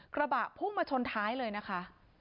กระบะพุ่งมาชนท้ายเลยนะคะ